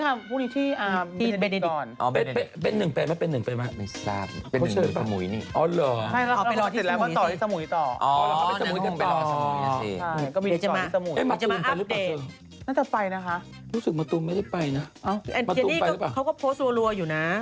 เอ้าตัวนี้เขาก็โพสต์รัวอยู่นะอะไรอย่างนี้นะครับมาตูมไปหรือเปล่า